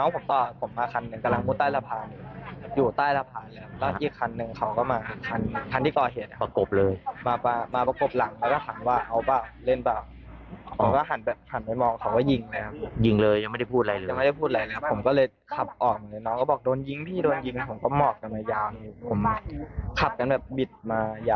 ผมขับกันแบบบิดมาอย่างนึง